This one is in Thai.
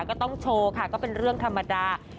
ก็ต้องโชว์ค่ะก็เป็นเรื่องธรรมดา